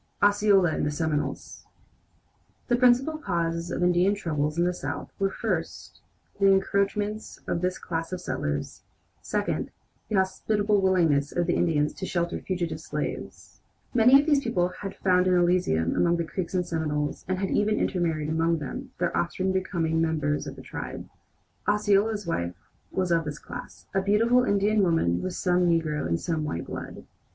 OSCEOLA AND THE SEMINOLES The principal causes of Indian troubles in the South were, first, the encroachments of this class of settlers; second, the hospitable willingness of the Indians to shelter fugitive slaves. Many of these people had found an Elysium among the Creeks and Seminoles, and had even intermarried among them, their offspring becoming members of the tribe. Osceola's wife was of this class a beautiful Indian woman with some negro and some white blood.